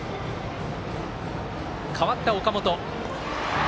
代わった岡本。